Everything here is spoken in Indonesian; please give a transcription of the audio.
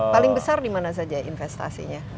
paling besar dimana saja investasinya